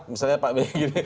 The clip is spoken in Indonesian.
misalnya pak b